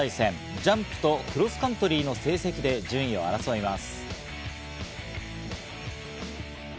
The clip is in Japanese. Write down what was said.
ジャンプとクロスカントリーの成績で順位を争います。